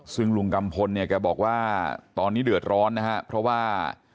ซึ่งลุงกัมพลเนี่ยแกบอกว่าตอนนี้เดือดร้อนนะฮะเพราะว่า